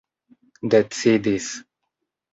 decidis